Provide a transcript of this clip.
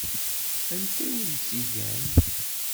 Anta i wen-tt-igan?